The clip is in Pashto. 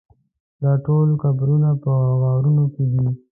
دا ټول قبرونه په غارونو کې دي.